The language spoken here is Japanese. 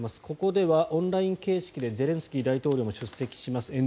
ここではオンライン形式でゼレンスキー大統領も出席します。